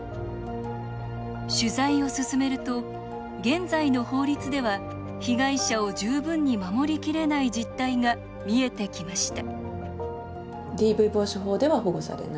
取材を進めると、現在の法律では被害者を十分に守りきれない実態が見えてきました